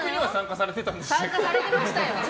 されてましたよ。